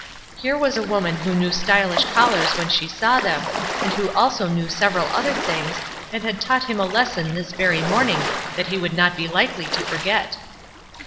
Here was a woman who knew stylish collars when she saw them, and who also knew several other things, and had taught him a lesson this very morning that he would not be likely to forget.